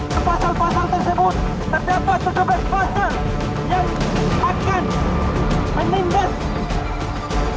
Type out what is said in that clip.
pembasar pembasar tersebut terdapat sebelas pasar yang akan meninggal